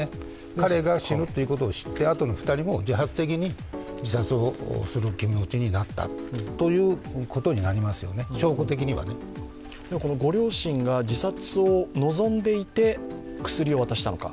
彼が死ぬということを知って、あとの２人も自発的に自殺をする気持ちになったということになりますよね、ご両親が自殺を望んでいて薬を渡したのか